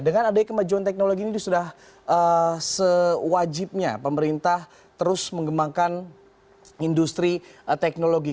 dengan adanya kemajuan teknologi ini sudah sewajibnya pemerintah terus mengembangkan industri teknologi